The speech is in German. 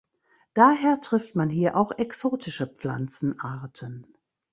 Daher trifft man hier auch exotische Pflanzenarten.